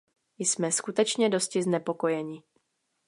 Jsme skutečně dosti znepokojeni.